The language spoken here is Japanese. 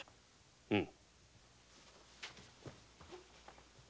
うん。